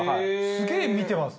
すげえ見てます。